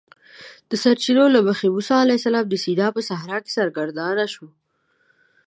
د سرچینو له مخې موسی علیه السلام د سینا په صحرا کې سرګردانه شو.